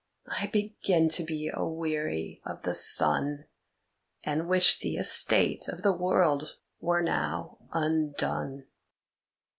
"I begin to be aweary of the sun, and wish the estate of the world were now undone."